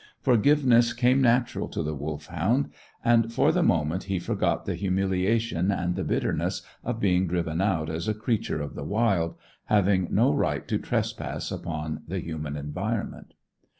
Forgiveness came natural to the Wolfhound and, for the moment, he forgot the humiliation and the bitterness of being driven out as a creature of the wild, having no right to trespass upon the human environment.